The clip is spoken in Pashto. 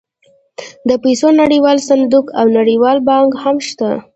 د پیسو نړیوال صندوق او نړیوال بانک هم شته